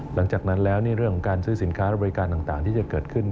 หลังจากนั้นแล้วเรื่องของการซื้อสินค้าและบริการต่างที่จะเกิดขึ้น